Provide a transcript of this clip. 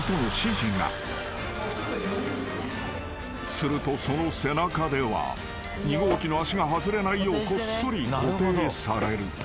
［するとその背中では弐号機の足が外れないようこっそり固定される］